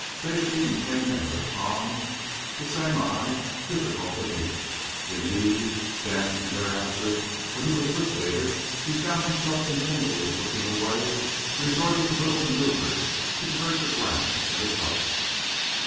David Eden came in with the calm, the same eye, difficult to meet. Indeed, then and thereafter when he was with David, he found himself continually looking away, and resorting to little maneuvers to divert the glance of his host.